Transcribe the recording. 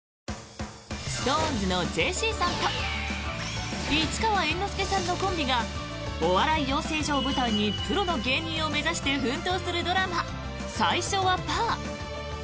ＳｉｘＴＯＮＥＳのジェシーさんと市川猿之助さんのコンビがお笑い養成所を舞台にプロの芸人を目指して奮闘するドラマ「最初はパー」。